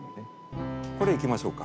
これいきましょうか。